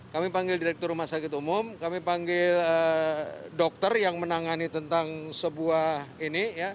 kami panggil direktur rumah sakit umum kami panggil dokter yang menangani tentang sebuah ini